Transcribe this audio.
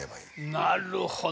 なるほど。